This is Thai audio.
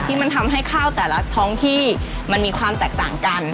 ที่มันทำให้ข้าวแต่ละท้องที่มันมีความแตกต่างกัน